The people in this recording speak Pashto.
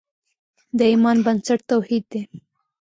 د ایمان بنسټ توحید دی.